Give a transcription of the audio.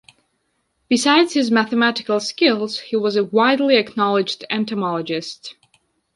Besides his mathematical skills he was a widely acknowledged entomologist.